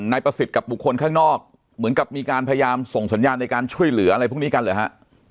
นายประสิทธิ์กับบุคคลข้างนอกเหมือนกับมีการพยายามส่งสัญญาณในการช่วยเหลืออะไรพวกนี้กันเหรอฮะ